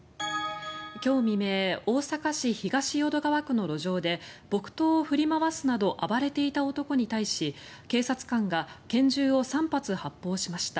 今日未明大阪市東淀川区の路上で木刀を振り回すなど暴れていた男に対し警察官が拳銃を３発発砲しました。